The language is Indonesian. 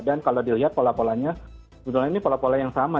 dan kalau dilihat pola polanya sebenarnya ini pola pola yang sama